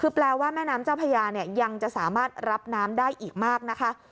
คือแปลว่าแม่น้ำเจ้าพญาเนี่ยยังจะสามารถรับน้ำได้อีกมากนะคะ